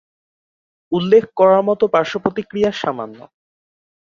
উল্লেখ করার মত পার্শ্বপ্রতিক্রিয়া সামান্য।